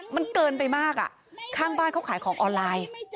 มันเกินไปมากข้างบ้านเขาขายของออนไลน์